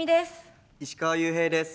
石川裕平です。